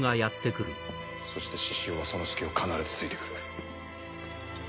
そして志々雄はその隙を必ず突いて来る。